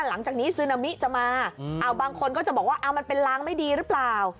หลังจากนี้ซึนามิจะมาบางคนก็จะบอกว่ามันเป็นล้างไม่ดีหรือเปล่า